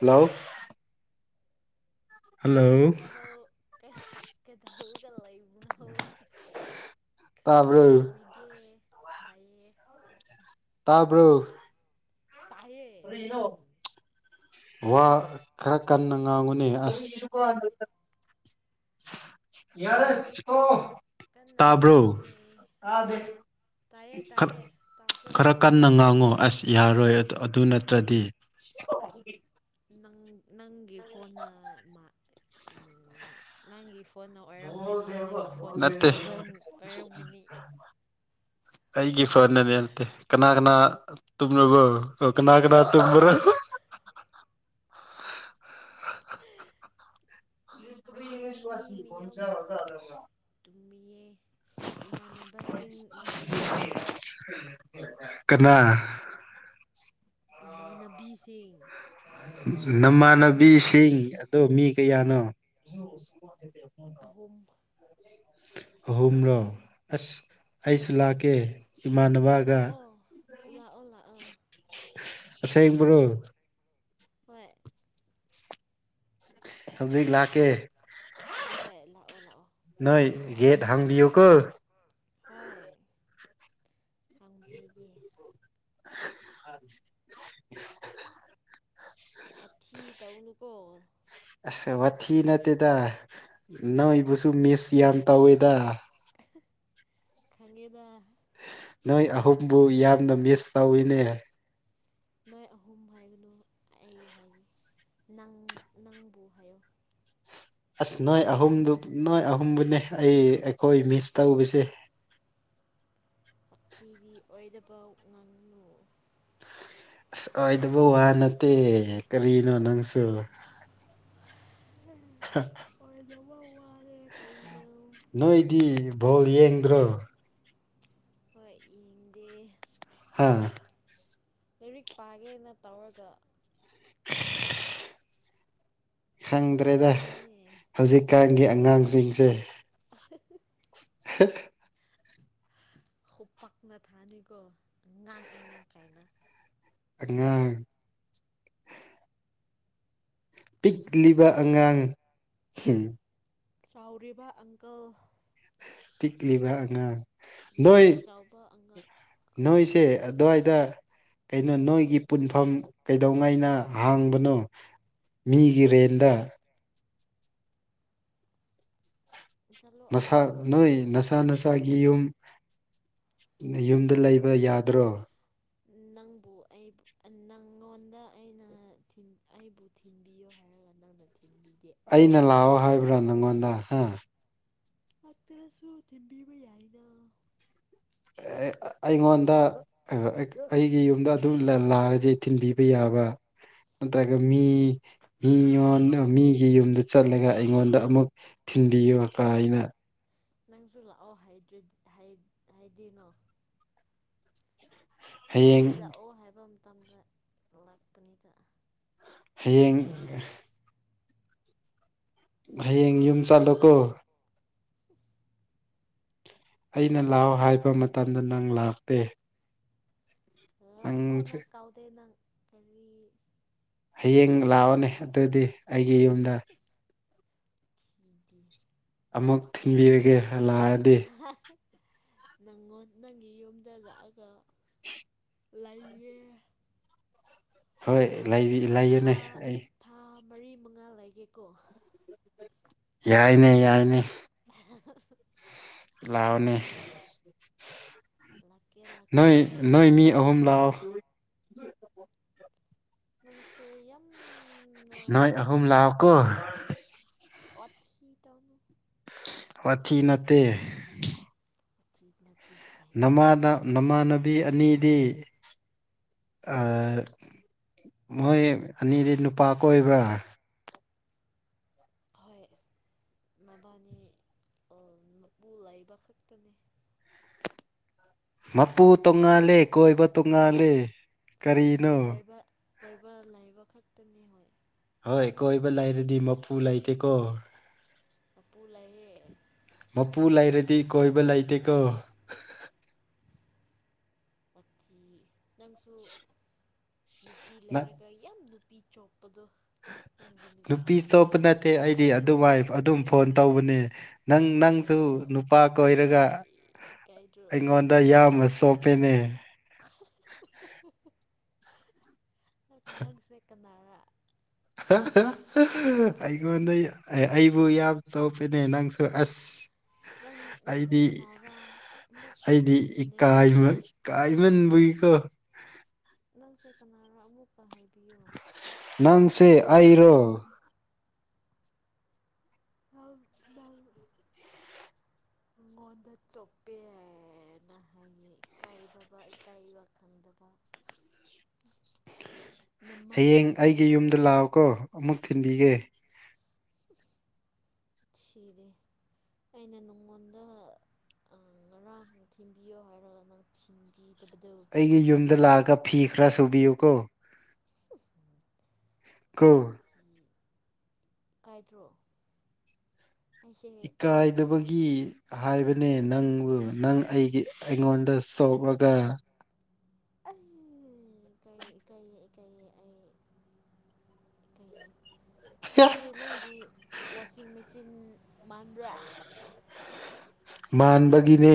hello hello ꯀꯩꯗꯧ ꯀꯩ ꯀꯩꯗꯧꯔꯒ ꯂꯩꯕ꯭ꯔꯅꯣ ꯇꯥꯕ꯭ꯔꯣ ꯀꯩꯗꯧꯔꯤ ꯀꯦ ꯇꯥꯏꯌꯦ ꯇꯥꯕ꯭ꯔꯣ ꯇꯥꯏꯌꯦ ꯀꯔꯤꯅꯣ [inaudible] ꯋꯥ ꯈꯔ ꯀꯟꯅ ꯉꯥꯡꯉꯨꯅꯤ ꯑꯁ ꯌꯥꯔꯦ ꯆꯣ ꯀꯟꯅ ꯇꯥꯕ꯭ꯔꯣ ꯉꯥꯡꯕꯅꯦ ꯇꯥꯗꯣ ꯇꯥꯏꯌꯦ ꯇꯥꯏꯌꯦ ꯇꯥꯗ꯭ꯔꯣ ꯈꯔ ꯀꯟ ꯀꯟꯅ ꯉꯥꯡꯉꯣ ꯑꯁ ꯌꯥꯔꯣꯏ ꯑꯗꯨ ꯅꯠꯇ꯭ꯔꯗꯤ [inaudible] ꯅ ꯅꯪꯒꯤ ꯐꯣꯟꯅ ꯃꯥꯜꯂꯦ ꯅꯪꯒꯤ ꯐꯣꯟꯅ ꯑꯣꯏꯔꯝꯒꯅꯤ ꯅꯪꯒꯤ ꯐꯣꯟꯒꯤ ꯅꯠꯇꯦ ꯄ꯭ꯔꯣꯕ꯭ꯂꯦꯝ ꯑꯣꯏꯔꯝꯒꯅꯤ ꯑꯩꯒꯤ ꯐꯣꯟꯅꯦ ꯅꯠꯇꯦ ꯀꯅꯥ ꯀꯅꯥ ꯇꯨꯝꯂꯕꯣ ꯀꯅꯥ ꯀꯅꯥ ꯇꯨꯝꯕ꯭ꯔꯣ [inaudible] ꯃꯤ ꯃꯤ ꯃꯤꯌꯥꯝ ꯇꯨꯝꯃꯤꯌꯦ ꯏꯃꯥꯟꯅꯕꯁꯤꯡ ꯏꯃꯥꯟꯅꯕꯤꯁꯤꯡ ꯀꯅꯥ ꯏꯃꯥꯟꯅꯕꯤꯁꯤꯡ ꯅꯪ ꯅꯃꯥꯟꯅꯕꯤꯁꯤꯡ ꯈꯪꯔꯣꯏꯌꯦ ꯑꯗꯣ ꯃꯤ ꯀꯌꯥꯅꯣ ꯑꯍꯨꯝ ꯑꯍꯨꯝꯔꯣ ꯑꯁ ꯑꯩꯁꯨ ꯍꯣꯏ ꯂꯥꯛꯀꯦ ꯏꯃꯥꯟꯅꯕꯒ ꯂꯥꯛꯑꯣ ꯂꯥꯛꯑꯣ ꯂꯥꯛꯑꯣ ꯑꯁꯦꯡꯕ꯭ꯔꯣ ꯍꯣꯏ ꯍꯧꯖꯤꯛ ꯂꯥꯛꯀꯦ ꯍꯣꯏ ꯂꯥꯛꯑꯣ ꯂꯥꯛꯑꯣ ꯅꯣꯏ ꯒꯦꯠ ꯍꯥꯡꯕꯤꯌꯨ ꯀꯣ ꯍꯣꯏ ꯍꯥꯡꯕꯤꯒꯦ [unintelligible] ꯋꯥꯊꯤ ꯇꯧꯅꯨꯀꯣ ꯑꯁ ꯋꯥꯊꯤ ꯅꯠꯇꯦꯗ ꯅꯣꯏꯕꯨꯁꯨ ꯃꯤꯁ ꯌꯥꯝ ꯇꯧꯋꯤꯗ ꯈꯪꯉꯦꯗ ꯅꯣꯏ ꯑꯍꯨꯝꯕꯨ ꯌꯥꯝꯅ ꯃꯤꯁ ꯇꯧꯏꯅꯦ ꯅꯣꯏ ꯑꯍꯨꯝ ꯍꯥꯏꯒꯅꯨ ꯑꯩ ꯍꯥꯏꯌꯣ ꯅꯪ ꯅꯪꯕꯨ ꯍꯥꯏꯌꯣ ꯑꯁ ꯅꯣꯏ ꯑꯍꯨꯝꯗꯨ ꯅꯣꯏ ꯑꯍꯨꯝꯕꯨꯅꯦ ꯑꯩ ꯑꯩꯈꯣꯏ ꯃꯤꯁ ꯇꯧꯕꯁꯦ ꯈꯤꯗꯤ ꯑꯣꯏꯗꯕ ꯉꯥꯡꯅꯨ ꯑꯁ ꯑꯣꯏꯗꯕꯨ ꯋꯥ ꯅꯠꯇꯦ ꯀꯔꯤꯅꯣ ꯅꯪꯁꯨ ꯎꯝ [unintelligible] ꯍꯥ [unintelligible] ꯑꯣꯏꯗꯕ ꯋꯥꯅꯦ ꯀꯔꯤꯅꯣ ꯅꯣꯏꯗꯤ ꯚꯣꯜ ꯌꯦꯡꯗ꯭ꯔꯣ ꯍꯣꯏ ꯌꯦꯡꯗꯦ ꯍꯥ ꯂꯥꯏꯔꯤꯛ ꯄꯥꯒꯦꯅ ꯇꯧꯔꯒ ꯈꯪꯗ꯭ꯔꯦꯗ ꯑꯁꯦꯡꯅꯦ ꯍꯧꯖꯤꯛꯀꯥꯟꯒꯤ ꯑꯉꯥꯡꯁꯤꯡꯁꯦ ꯑ [unintelligible] ꯍ [unintelligible] ꯍ ꯈꯨꯄꯥꯛꯅ ꯊꯥꯅꯤꯀꯣ ꯑꯉꯥꯡ ꯑꯉꯥꯡ ꯀꯥꯏꯅ ꯑꯉꯥꯡ ꯄꯤꯛꯂꯤꯕ ꯑꯉꯥꯡ [unintelligible] ꯆꯥꯎꯔꯤꯕ ꯑꯪꯀꯜ ꯄꯤꯛꯂꯤꯕ ꯑꯉꯥꯡ ꯅꯣꯏ ꯌꯥꯝꯅ ꯆꯥꯎꯕ ꯑꯉꯥꯡ ꯑꯪꯀꯜ ꯅꯣꯏꯁꯦ ꯑꯥꯗꯋꯥꯏꯗ ꯀꯩꯅꯣ ꯅꯣꯏꯒꯤ ꯄꯨꯟꯐꯝ ꯀꯩꯗꯧꯉꯩꯅ ꯍꯥꯡꯕꯅꯣ ꯃꯤꯒꯤ ꯔꯦꯟꯗ ꯆꯠꯂꯣ ꯅꯁꯥ ꯑꯗ ꯅꯣꯏꯒꯤ ꯑꯁ ꯅꯁꯥ ꯅꯁꯥ ꯁꯥꯒꯤ ꯌꯨꯝ ꯅꯌꯨꯝꯗ ꯂꯩꯕ ꯌꯥꯗ꯭ꯔꯣ ꯅꯪꯕꯨ ꯑꯩꯕꯨ ꯅꯪꯉꯣꯟꯗ ꯑꯩꯅ ꯊꯤꯟ ꯑꯩꯕꯨ ꯊꯤꯟꯕꯤꯌꯣ ꯍꯥꯏꯔꯒ ꯅꯪꯅ ꯊꯤꯟꯕꯤꯗꯦ ꯑꯩꯅ ꯂꯥꯛꯑꯣ ꯍꯥꯏꯕ꯭ꯔꯥ ꯅꯪꯉꯣꯟꯗ ꯍꯥ ꯑꯗꯨꯁꯨ ꯊꯤꯟꯕꯤꯕ ꯌꯥꯏꯅ ꯑꯦ ꯑꯩꯉꯣꯟꯗ [unintelligible] ꯑꯩ ꯑꯩꯒꯤ ꯌꯨꯝꯗ ꯑꯗꯨꯝꯅ ꯂꯥꯑꯗꯤ ꯊꯤꯟꯕꯤꯕ ꯌꯥꯕ [unintelligible] ꯊꯤꯗꯦ ꯃꯤꯉꯣꯟꯗ ꯃꯤꯒꯤ ꯌꯨꯝꯗ ꯆꯠꯂꯒ ꯑꯩꯉꯣꯟꯗ ꯑꯃꯨꯛ ꯊꯤꯟꯕꯤꯌꯨ ꯀꯥꯏꯅ ꯅꯪꯁꯨ ꯂꯥꯛꯑꯣ ꯍꯥꯏꯗꯔ꯭ꯤ ꯍꯥꯏꯗꯤꯅꯣ ꯍꯌꯦꯡ ꯑꯩꯗꯤ ꯂꯥꯛꯑꯣ ꯍꯥꯏꯕ ꯃꯇꯝꯗ ꯂꯥꯛꯄꯅꯤꯗ ꯍꯌꯦꯡ ꯍꯌꯦꯡ ꯌꯨꯝ ꯆꯠꯂꯣꯀꯣ [inaudible] ꯑꯩꯅ ꯊꯤ ꯂꯥꯛꯑꯣ ꯍꯥꯏꯕ ꯃꯇꯝꯗ ꯅꯪ ꯂꯥꯛꯇꯦ ꯂꯥꯛꯑꯣ ꯅꯪꯁꯦ ꯅ ꯀꯧꯗꯦ ꯅꯪ ꯀꯔꯤ ꯍꯌꯦꯡ ꯂꯥꯛꯑꯣꯅꯦ ꯑꯗꯨꯗꯤ ꯑꯩꯒꯤ ꯌꯨꯝꯗ [unintelligible] ꯑꯃꯨꯛ ꯊꯤꯡꯕꯤꯔꯒꯦ ꯍꯜꯂꯛꯑꯗꯤ ꯅꯪꯉꯣꯟ ꯅꯪꯒꯤ ꯌꯨꯝꯗ ꯂꯥꯛꯑꯒ ꯂꯩꯌꯦ ꯍꯣꯏ ꯂꯩꯕꯤ ꯊꯥ ꯂꯩꯌꯨꯅꯦ ꯑꯩ ꯊꯥ ꯃꯔꯤ ꯃꯉꯥ ꯂꯩꯒꯦꯀꯣ ꯌꯥꯏꯅꯦ ꯌꯥꯏꯅꯦ ꯂꯥꯛꯑꯣꯅꯦ ꯂꯥꯛꯀꯦ ꯂꯥꯛꯀꯦ ꯅꯣꯏ ꯅꯣꯏ ꯃꯤ ꯑꯍꯨꯝ ꯂꯥꯛꯑꯣ ꯅꯪꯁꯦ ꯌꯝꯅ ꯅꯣꯏ ꯑꯍꯨꯝ ꯂꯥꯛꯑꯣꯀꯣ ꯋꯥꯊꯤ ꯇꯧꯅꯨ ꯋꯥꯊꯤ ꯅꯠꯇꯦ ꯊꯤ ꯅꯠꯇꯦ ꯀꯥꯏꯅ ꯅꯥꯃꯗ ꯅꯃꯥꯟꯅꯕꯤ ꯑꯅꯤꯗꯤ ꯑꯥ ꯃꯣꯏ ꯑꯅꯤꯗꯤ ꯅꯨꯄꯥ ꯀꯣꯏꯕ꯭ꯔꯥ ꯍꯣꯏ ꯃꯕꯥꯅꯤ ꯃꯄꯨ ꯂꯩꯕ ꯈꯛꯇꯅꯦ ꯃꯄꯨ ꯇꯣꯉꯥꯂꯦ ꯀꯣꯏꯕ ꯇꯣꯉꯥꯂꯦ ꯀꯔꯤꯅꯣ ꯀꯣꯏꯕ ꯀꯣꯏꯕ ꯂꯩꯕ ꯈꯛꯇꯅꯤ ꯍꯣꯏ ꯍꯣꯏ ꯀꯣꯏꯕ ꯂꯩꯥꯏꯔꯗꯤ ꯃꯄꯨ ꯂꯩꯇꯦꯀꯣ ꯃꯄꯨꯨ ꯂꯩꯌꯦ ꯃꯄꯨ ꯂꯩꯔꯗꯤ ꯀꯣꯏꯕ ꯂꯩꯇꯦꯀꯣ ꯑꯁ ꯋꯥꯊꯤ ꯅꯪꯁꯨ ꯅꯨꯄꯤ ꯅ ꯂꯩꯔꯒ ꯌꯥꯝ ꯅꯨꯄꯤ ꯆꯣꯛꯄꯗꯣ ꯅꯪꯒꯤ ꯅꯨꯄꯤ ꯆꯣꯞꯄ ꯂꯩꯔꯒ ꯅꯠꯇꯦ ꯑꯩꯗꯤ ꯏꯀꯥꯏꯗ꯭ꯔꯣ ꯑꯗꯨꯃꯥꯏ ꯑꯗꯨꯝ ꯐꯣꯟ ꯇꯧꯕꯅꯦ ꯅꯪ ꯅꯪꯁꯨ ꯀꯥꯏꯗ꯭ꯔꯣ ꯅꯨꯄꯥ ꯀꯣꯏꯔꯒ ꯏꯀꯥꯏꯗ꯭ꯔꯣ ꯑꯩꯉꯣꯟꯗ ꯌꯥꯝꯅ ꯆꯣꯞꯄꯦꯅꯦ ꯍ ꯍ ꯍ ꯍ ꯅꯪꯁꯦ ꯀꯅꯥꯔ ꯍ ꯍ ꯍ ꯑꯩꯉꯣꯟꯗ ꯑꯩꯕꯨ ꯌꯥꯝ ꯆꯣꯞꯄꯦꯅꯦ ꯅꯪꯁꯨ ꯑꯁ ꯅꯪ ꯅꯪꯁꯦ ꯑꯩꯗꯤ ꯀꯅꯥꯔꯥ ꯑꯃꯨꯛ ꯑꯩꯗꯤ ꯍꯥꯏꯕꯤꯌꯨꯅꯦ ꯏꯀꯥꯏꯕ ꯏꯀꯥꯏ ꯃꯟꯕꯩꯀꯣ ꯅꯪꯁꯦ ꯀꯅꯥꯔ ꯑꯃꯨꯛꯀ ꯍꯥꯏꯕꯤꯌꯣ ꯅꯪꯁꯦ ꯑꯩꯔꯣ [unintelligible] ꯑꯩꯉꯣꯟꯗ ꯆꯣꯛꯄꯦꯅ ꯍꯥꯏꯌꯦ ꯏꯀꯥꯏꯗꯕ ꯏꯀꯥꯏꯕ ꯈꯪꯗꯕ ꯅꯃꯥꯏꯗꯣ ꯏꯀꯥꯏꯗ꯭ꯔꯣ ꯀꯣ ꯑꯃꯨꯛ ꯊꯤꯟꯕꯤꯒꯦ ꯍꯝ ꯁꯤꯗꯤ ꯑꯩꯅ ꯅꯉꯣꯟꯗ ꯉꯔꯥꯡ ꯊꯤꯟꯕꯤꯌꯣ ꯍꯥꯏꯔꯒ ꯅꯪ ꯊꯤꯟꯕꯤꯗꯕꯗꯣ ꯑꯩꯒꯤ ꯌꯨꯝꯗ ꯂꯥꯛꯑꯒ ꯐꯤ ꯈꯔ ꯁꯨꯕꯤꯌꯨꯀꯣ ꯀꯣ ꯀꯥꯏꯗ꯭ꯔꯣ ꯏꯀꯥꯏꯗꯕ ꯒꯤ ꯍꯥꯏꯕꯅꯦ ꯅꯪꯕꯨ ꯅꯪ ꯑꯩꯒꯤ ꯑꯩꯉꯣꯟꯗ ꯁꯣꯛꯔꯒ ꯑꯩ ꯏꯀꯥꯏꯌꯦ ꯏꯀꯥꯏꯌꯦ ꯏꯀꯥꯏꯌꯦ ꯑꯩ ꯏꯀꯥꯏꯌꯦ ꯑꯩꯁꯦ ꯅꯪꯒꯤ ꯋꯥꯁꯤꯡ ꯃꯦꯆꯤꯟ ꯃꯥꯟꯕ꯭ꯔꯥ ꯃꯥꯟꯕꯒꯤꯅꯦ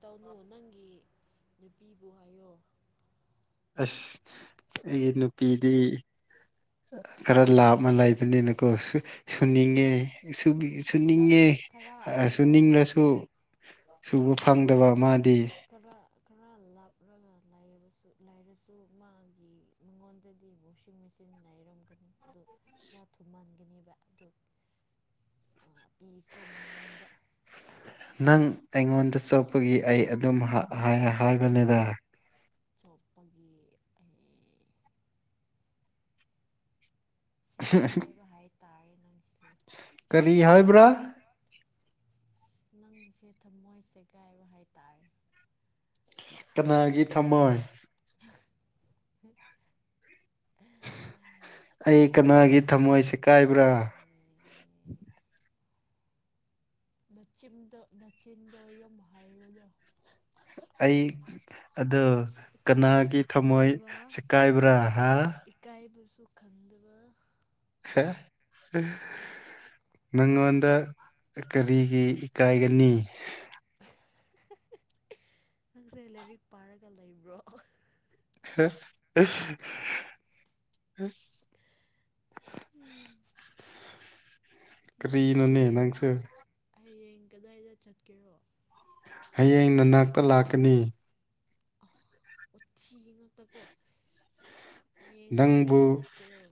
ꯇꯧꯅꯨ ꯅꯪꯒꯤ ꯅꯨꯄꯤꯕꯨ ꯍꯥꯏꯌꯣ ꯑꯁ ꯑꯩꯒꯤ ꯅꯨꯄꯤꯗꯤ ꯈꯔ ꯂꯥꯞꯅ ꯂꯩꯕꯅꯤꯅꯀꯣ ꯁꯨ ꯁꯨꯅꯤꯡꯉꯦ ꯁꯨꯕꯤꯌꯨ ꯈꯔ ꯁꯨꯅꯤꯡꯉꯦ ꯈꯔ ꯈꯔ ꯁꯨꯅꯤꯡꯔꯁꯨ ꯁꯨꯕ ꯐꯪꯗꯕ ꯃꯥꯗꯤ ꯈꯔ ꯈꯔ ꯂꯥꯞꯔꯒ ꯂꯩꯕꯁꯨ ꯂꯩꯔꯁꯨ ꯃꯥꯒꯤ ꯃꯉꯣꯟꯗꯗꯤ ꯋꯥꯛꯁꯤꯡ ꯃꯦꯆꯤꯟ ꯂꯩꯔꯝꯒꯅꯤ ꯑꯗꯣ ꯈꯔ ꯊꯨꯃꯟꯒꯅꯤꯕ ꯑꯗꯨ ꯑ ꯄꯤꯈ꯭ꯔꯣ ꯃꯉꯣꯟꯗ ꯅꯪ ꯑꯩꯉꯣꯟꯗ ꯆꯣꯞꯄꯒꯤ ꯑꯩ ꯑꯗꯨꯝ ꯍꯥ ꯍꯥꯏ ꯍꯥꯏꯕꯅꯦꯗ ꯆꯣꯞꯄꯒꯤ ꯑꯩ ꯁꯦꯒꯥꯏꯔꯣ ꯍꯥꯏ ꯇꯔꯦ ꯅꯪꯒꯤꯁꯦ ꯀꯔꯤ ꯍꯥꯏꯕ꯭ꯔꯥ ꯔꯣ ꯑꯁ ꯅꯪꯒꯤꯁꯦ ꯊꯝꯃꯣꯏ ꯁꯦꯒꯥꯏꯔꯣ ꯍꯥꯏꯇꯥꯔꯦ ꯀꯅꯥꯒꯤ ꯊꯝꯃꯣꯏ [unintelligible] ꯑꯩ ꯀꯅꯥꯒꯤ ꯑꯩ ꯊꯝꯃꯣꯏ ꯁꯦꯀꯥꯏꯕ꯭ꯔꯥ ꯅꯆꯤꯝꯗꯣ ꯅꯆꯤꯟꯗꯣ ꯌꯥꯝ ꯍꯩꯏꯕꯗꯣ ꯑꯩ ꯑꯗꯣ ꯏꯀꯥꯏꯕꯁꯨ ꯀꯅꯥꯒꯤ ꯊꯝꯃꯣꯏ ꯈꯪꯗꯕ ꯁꯦꯀꯥꯏꯕ꯭ꯔꯥ ꯍꯥ ꯏꯀꯥꯏꯕꯁꯨ ꯈꯪꯗꯕ [unintelligible] ꯅꯪꯉꯣꯟꯗ ꯀꯔꯤꯒꯤ ꯏꯀꯥꯏꯒꯅꯤ ꯅꯪꯁꯦ ꯂꯥꯏꯔꯤꯛ ꯄꯥꯔꯒ ꯂꯩꯕ꯭ꯔꯣ [unintelligible] [unintelligible] ꯀꯤ ꯀꯔꯤꯅꯣꯅꯦ ꯑꯌꯦꯡ ꯅꯪꯁꯨ ꯍꯌꯦꯡ ꯀꯗꯥꯏꯗ ꯆꯠꯀꯦꯔꯣ ꯍꯌꯦꯡ ꯅꯅꯥꯛꯇ ꯂꯥꯛꯀꯅꯤ ꯋꯥꯊꯤ ꯉꯥꯛꯇꯀꯣ ꯍꯌꯦꯡ ꯅꯪꯕꯨ ꯀꯗꯥꯏꯗ ꯆꯠꯀꯦꯌꯣ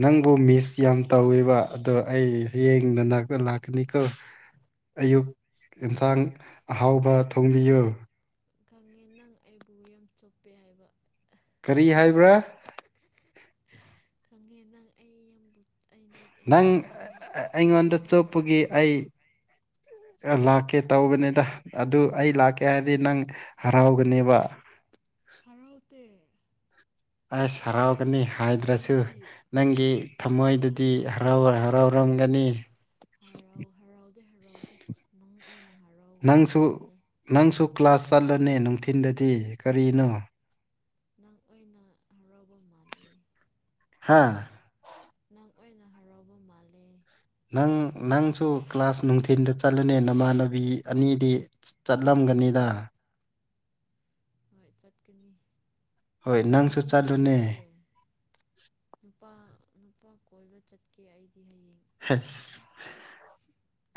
ꯅꯪꯕꯨ ꯃꯤꯁ ꯌꯥꯝ ꯇꯧꯋꯦꯕ ꯑꯗꯣ ꯑꯩ ꯍꯌꯦꯡ ꯅꯅꯥꯛꯇ ꯂꯥꯛꯀꯅꯤꯀꯣ ꯑꯌꯨꯛ ꯑꯦꯟꯁꯥꯡ ꯑꯍꯥꯎꯕ ꯊꯣꯡꯕꯤꯌꯣ ꯈꯪꯉꯦ ꯅꯪ ꯑꯩꯕꯨ ꯌꯥꯝ ꯆꯣꯞꯄꯦ ꯍꯥꯏꯕ ꯀꯔꯤ ꯍꯥꯏꯕ꯭ꯔꯥ ꯈꯪꯉꯦ ꯅꯪ ꯑꯩ ꯌꯥꯝꯕꯨ ꯑꯩ ꯅꯪ ꯑꯩꯉꯣꯟꯗꯪ ꯆꯣꯞꯄꯦ ꯑꯩꯉꯣꯟꯗ ꯍꯥꯏꯕꯪ ꯆꯣꯞꯄꯒꯤ ꯑꯩ ꯂꯥꯛꯀꯦ ꯇꯧꯕꯅꯦꯗ ꯑꯗꯨ ꯑꯩ ꯂꯥꯛꯀꯦ ꯍꯥꯏꯔꯗꯤ ꯅꯪ ꯍꯔꯥꯎꯒꯅꯦꯕ ꯍꯔꯥꯎꯠꯇꯦ ꯑꯁ ꯍꯔꯥꯎꯒꯅꯤ ꯍꯥꯏꯗ꯭ꯔꯁꯨ ꯑꯩꯈꯣꯏꯗꯤ ꯅꯪꯒꯤ ꯊꯃꯣꯏꯗꯨꯗꯤ ꯍꯔꯥꯎ ꯍꯔꯥꯎꯔꯝꯒꯅꯤ ꯍꯣꯏꯔꯥꯎ ꯍꯔꯥꯎꯗꯦ ꯍꯔꯥꯎꯗꯦ ꯅꯪ ꯑꯣꯏꯅ ꯍꯔꯥꯎꯕ ꯃꯥꯜꯂꯦ ꯇꯨ ꯀ꯭ꯂꯥꯁ ꯆꯠꯂꯅꯦ ꯅꯨꯡꯊꯤꯟꯗꯗꯤ ꯀꯔꯤꯅꯣ ꯅꯪ ꯑꯣꯏꯅ ꯍꯔꯥꯎꯕ ꯃꯥꯜꯂꯦ ꯍꯥꯥ ꯅꯪ ꯑꯣꯏꯅ ꯍꯔꯥꯎꯕ ꯃꯥꯜꯂꯦ ꯅꯪ ꯅꯪꯁꯨ ꯀ꯭ꯂꯥꯁ ꯅꯨꯡꯊꯤꯟꯗ ꯆꯠꯂꯅꯦ ꯅꯃꯥꯟꯅꯕꯤ ꯑꯅꯤꯗꯤ ꯆꯠꯂꯝꯒꯅꯤꯗ ꯍꯣꯏ ꯆꯠꯀꯅꯤ ꯍꯣꯏ ꯅꯪꯁꯨ ꯑꯩꯗꯤ ꯆꯠꯂꯨꯅꯦ ꯆꯠꯂꯣꯏꯌꯦ ꯅꯨꯄꯥ ꯅꯨꯄꯥ ꯀꯣꯏꯕ ꯆꯠꯀꯦ ꯑꯩꯗꯤ ꯍꯌꯦꯡ ꯍꯁ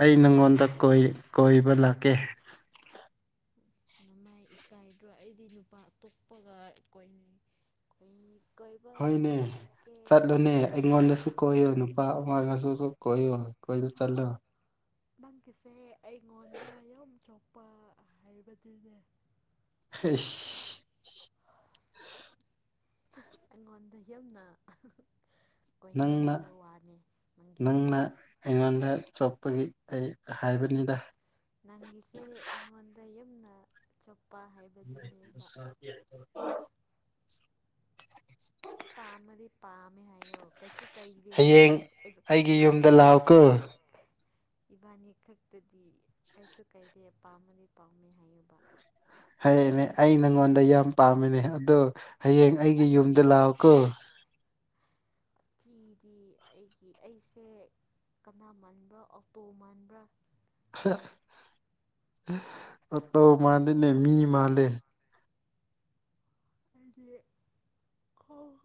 ꯑꯩ ꯅꯉꯣꯟꯗ ꯀꯣꯏ ꯀꯣꯏꯕ ꯂꯥꯛꯀꯦ ꯅꯃꯥꯏ ꯏꯀꯥꯏꯗ꯭ꯔꯣ ꯑꯩꯗꯤ ꯅꯨꯄꯥ ꯑꯇꯣꯞꯄꯒ ꯀꯣꯏꯅꯤ ꯀꯣꯏꯅꯤ ꯀꯣꯏꯕ ꯍꯣꯏꯅꯦ ꯆꯠꯀꯦ ꯆꯠꯂꯨꯅꯦ ꯑꯩꯉꯣꯟꯗꯁꯨ ꯀꯣꯏꯌꯣ ꯅꯨꯄꯥ ꯑꯃꯗꯁꯨꯁꯨ ꯀꯣꯏꯌꯣ ꯀꯣꯏꯕ ꯆꯠꯂꯣ ꯅꯪꯒꯤꯁꯦ ꯑꯩꯉꯣꯟꯗ ꯌꯥꯝ ꯆꯣꯞꯄ ꯍꯥꯏꯕꯗꯨꯅꯦ ꯍꯩꯁ ꯑꯩꯉꯣꯟꯗ ꯌꯥꯝꯅ ꯅꯪꯅ ꯀꯣꯏꯅꯤꯡꯕ ꯋꯥꯅꯦ ꯅꯪꯒꯤꯁꯦ ꯅꯪꯅ ꯑꯩꯉꯣꯟꯗ ꯆꯣꯞꯄꯒꯤ ꯑꯩ ꯍꯥꯏꯕꯅꯤꯗ ꯅꯪꯒꯤꯁꯦ ꯑꯩꯉꯣꯟꯗ ꯌꯝꯅ ꯆꯣꯞꯄ ꯍꯥꯏꯕ [unintelligible] ꯄꯥꯝꯃꯗꯤ ꯄꯥꯝꯃꯦ ꯍꯥꯏꯌꯣ ꯀꯩꯁꯨ ꯀꯩꯗꯦ ꯍꯌꯦꯡ ꯑꯩꯒꯤ [unintelligible] ꯌꯨꯝꯗ ꯏꯕꯥꯅꯤ ꯂꯥꯛꯑꯣꯀꯣ ꯏꯕꯥꯅꯤ ꯈꯛꯇꯗꯤ ꯀꯩꯁꯨ ꯀꯩꯗꯦ ꯄꯥꯝꯃꯗꯤ ꯄꯥꯝꯃꯦ ꯍꯥꯏꯌꯨꯕ ꯍꯌꯦꯅꯦ ꯑꯩ ꯅꯉꯣꯟꯗ ꯌꯥꯝ ꯄꯥꯝꯃꯦꯅꯦ ꯑꯗꯣ ꯍꯌꯦꯡ ꯑꯩꯒꯤ ꯌꯨꯝꯗ ꯂꯥꯛꯑꯣꯀꯣ ꯊꯤꯗꯤ ꯑꯩꯒꯤ ꯑꯩꯁꯦ ꯀꯅꯥ ꯃꯥꯟꯕ꯭ꯔꯥ ꯑꯣꯛꯇꯣ ꯃꯥꯟꯕ꯭ꯔꯥ ꯑꯠꯇꯣ ꯃꯥꯟꯗꯦꯅꯦ ꯃꯤ ꯃꯥꯜꯂꯦ ꯑꯩꯗꯤ ꯈꯣꯡ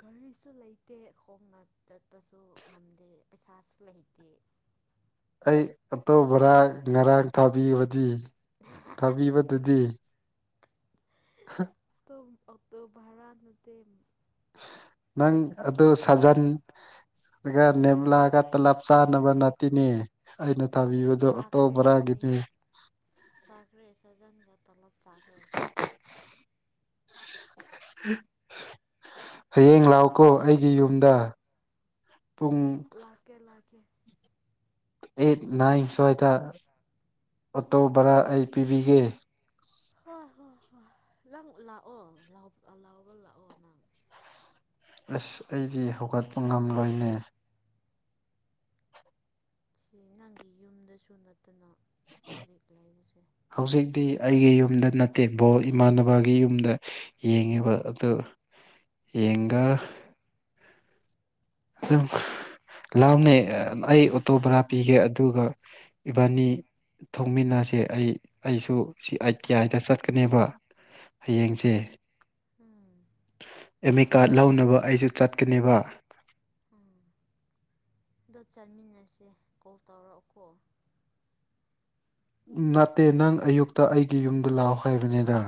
ꯒꯔꯤꯁꯨ ꯂꯩꯇꯦ ꯈꯣꯡꯅ ꯆꯠꯄꯁꯨ ꯉꯝꯗꯦ ꯄꯩꯁꯥꯁꯨ ꯂꯩꯇꯦ [inaudible] ꯑꯩ ꯑꯣꯠꯇꯣ ꯕꯔꯥ ꯉꯔꯥꯡ ꯊꯥꯕꯤꯕꯗꯤ ꯊꯥꯕꯤꯕꯗꯨꯗꯤ ꯇꯨꯝ ꯑꯣꯛꯇꯣ ꯚꯔꯥ ꯅꯠꯇꯦꯝ ꯅꯪ ꯑꯗꯨ ꯁꯥꯖꯟ ꯒ ꯅꯦꯕ꯭ꯂꯥꯒ ꯇꯂꯞ ꯆꯥꯅꯕ ꯅꯠꯇꯦꯅꯦ ꯑꯩꯅ ꯇꯥꯕꯤꯕꯗꯣ ꯑꯣꯇꯣ ꯕꯔꯥꯒꯤꯅꯦ ꯆꯈ꯭ꯔꯦ ꯁꯖꯟꯒ ꯇꯂꯞ ꯆꯈ꯭ꯔꯦ [unintelligible] ꯍꯌꯦꯡ ꯂꯥꯛꯑꯣꯀꯣ ꯑꯩꯒꯤ ꯌꯨꯝꯗ ꯄꯨꯡ ꯂꯥꯛꯀꯦ ꯂꯥꯛꯀꯦ ꯑꯩꯠ ꯅꯥꯏꯟ ꯁ꯭ꯋꯥꯏꯗ ꯑꯣꯇꯣ ꯚꯔꯥ ꯑꯩ ꯄꯤꯕꯤꯒꯦ ꯍꯣꯏ ꯍꯣꯏ ꯍꯣꯏ ꯅꯪ ꯂꯥꯛꯑꯣ ꯂ ꯂꯥꯎꯕ ꯂꯥꯛꯑꯣ ꯅꯪ ꯑꯁ ꯑꯩꯗꯤ ꯍꯧꯒꯠꯄ ꯉꯝꯂꯣꯏꯅꯦ ꯁꯤ ꯅꯪꯒꯤ ꯌꯨꯝꯗꯁꯨ ꯅꯠꯇꯅ ꯍꯧꯖꯤꯛ ꯂꯩꯔꯤꯁꯦ ꯍꯧꯖꯤꯛꯇꯤ ꯑꯩꯒꯤ ꯌꯨꯝꯗ ꯅꯠꯇꯦ ꯕꯣꯜ ꯏꯃꯥꯟꯅꯕꯒꯤ ꯌꯨꯝꯗ ꯌꯦꯡꯉꯤꯕ ꯑꯗꯨ ꯌꯦꯡꯒ ꯑꯗꯨꯝ ꯂꯥꯎꯅꯦ ꯑꯩ ꯑꯣꯇꯣ ꯕꯥꯔꯥ ꯄꯤꯒꯦ ꯑꯗꯨꯒ ꯏꯕꯥꯅꯤ ꯊꯧꯃꯤꯅꯥꯁꯦ ꯑꯩ ꯑꯩꯁꯨ ꯁꯤ ꯑꯥꯏ ꯇꯤ ꯑꯥꯏꯗ ꯆꯠꯀꯅꯦꯕ ꯍꯌꯦꯡꯁꯦ ꯎꯝ ꯑꯦꯃꯤꯀꯥꯔꯠ ꯂꯧꯅꯕ ꯑꯩꯁꯨ ꯆꯠꯀꯅꯦꯕ ꯎꯝ ꯑꯗꯣ ꯆꯥꯃꯤꯟꯅꯁꯦ ꯀꯣꯜ ꯇꯧꯔꯛꯑꯣꯀꯣ ꯅꯠꯇꯦ ꯅꯪ ꯑꯌꯨꯛꯇ ꯑꯩꯒꯤ ꯌꯨꯝꯗ ꯂꯥꯛꯑꯣ ꯍꯥꯏꯕꯅꯤꯗ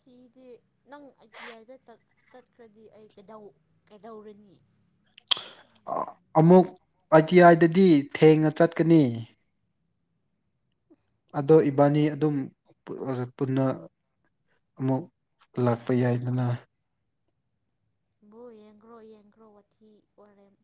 ꯐꯤꯗꯤ ꯅꯪ ꯑꯥꯏꯇꯤ ꯑꯥꯏꯗ ꯆꯠ ꯆꯠꯈ꯭ꯔꯗꯤ ꯑꯩ ꯀꯩꯗꯧ ꯀꯩꯗꯧꯔꯅꯤ ꯑꯃꯨꯛ ꯑꯥꯏ ꯇꯤ ꯑꯥꯏꯗꯗꯤ ꯊꯦꯡꯅ ꯆꯠꯀꯅꯤ ꯑꯗꯣ ꯏꯕꯥꯅꯤ ꯑꯗꯨꯝ ꯄꯨꯜꯂꯒ ꯄꯨꯟꯅ ꯑꯃꯨꯛ ꯂꯥꯛꯄ ꯌꯥꯏꯗꯅ ꯕꯣꯜ ꯌꯦꯡꯈ꯭ꯔꯣ ꯌꯦꯡꯈ꯭ꯔꯣ ꯋꯥꯊꯤ ꯋꯥꯔꯦꯝ